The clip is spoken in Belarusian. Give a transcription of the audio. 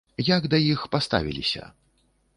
Як да іх паставіліся?